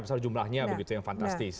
besar jumlahnya begitu yang fantastis